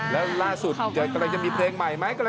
แล้วล่าสุดกำลังจะมีเพลงใหม่ไหม